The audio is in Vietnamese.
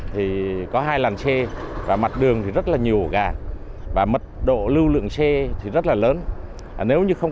thì có hai làn xe và mặt đường thì rất là nhiều gà và mật độ lưu lượng xe thì rất là lớn nếu như không